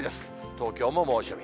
東京も猛暑日。